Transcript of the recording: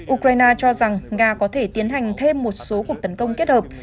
ukraine cho rằng nga có thể tiến hành thêm một số cuộc tấn công kết hợp